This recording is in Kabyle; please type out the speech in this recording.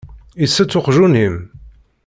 Itett uqjun-im?